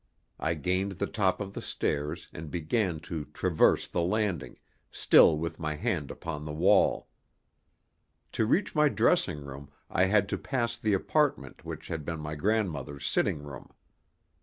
I gained the top of the stairs, and began to traverse the landing, still with my hand upon the wall. To reach my dressing room I had to pass the apartment which had been my grandmother's sitting room.